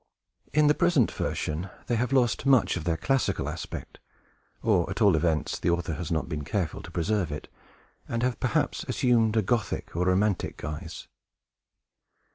In the present version they may have lost much of their classical aspect (or, at all events, the author has not been careful to preserve it), and have perhaps assumed a Gothic or romantic guise.